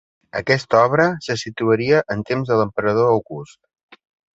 Aquesta obra se situaria en temps de l'emperador August.